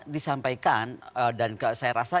disampaikan dan saya rasa